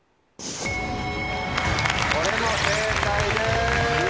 これも正解です